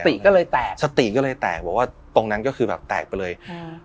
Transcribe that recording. ติก็เลยแตกสติก็เลยแตกบอกว่าตรงนั้นก็คือแบบแตกไปเลยอืม